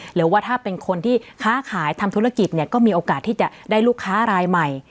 หรือว่าถ้าเป็นคนที่ค้าขายทำธุรกิจเนี่ยก็มีโอกาสที่จะได้ลูกค้ารายใหม่